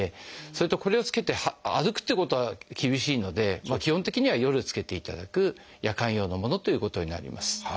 それとこれを着けて歩くっていうことは厳しいので基本的には夜着けていただく夜間用のものということになります。